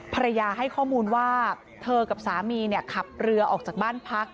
ภรรยาให้ข้อมูลว่าเธอกับสามีขับเรือออกจากบ้านพัก